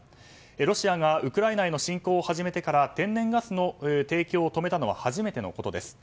ロシアがウクライナへの侵攻を始めてから天然ガスの提供を止めたのは初めてのことです。